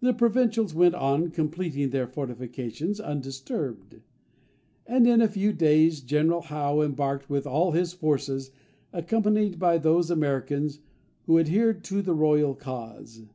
The provincials went on completing their fortifications, undisturbed; and in a few days General Howe embarked with all his forces, accompanied by those Americans who adhered to the royal cause.